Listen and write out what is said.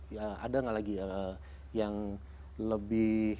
ya ada nggak lagi yang lebih